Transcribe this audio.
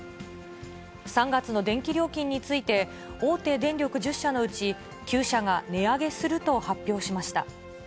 ３月の電気料金について、大手電力１０社のうち、９社が値上げすると発表しました。